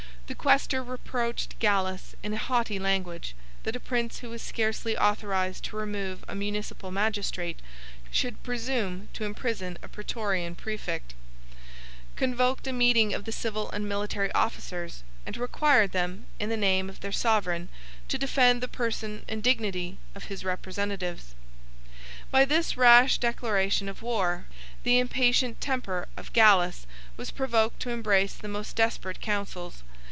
20 The quæstor reproached Gallus in a haughty language, that a prince who was scarcely authorized to remove a municipal magistrate, should presume to imprison a Prætorian præfect; convoked a meeting of the civil and military officers; and required them, in the name of their sovereign, to defend the person and dignity of his representatives. By this rash declaration of war, the impatient temper of Gallus was provoked to embrace the most desperate counsels.